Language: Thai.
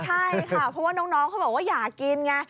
ใช่ค่ะเพราะว่าน้องเขาบอกว่าอยากกินไง